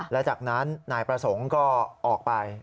และจากนั้นนายประสงค์ก็ออกไป